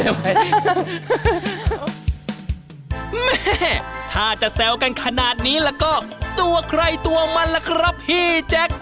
แม่ถ้าจะแซวกันขนาดนี้แล้วก็ตัวใครตัวมันล่ะครับพี่แจ๊ค